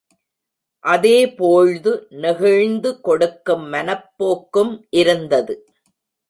அதேபோழ்து நெகிழ்ந்து கொடுக்கும் மனப்போக்கும் இருந்தது.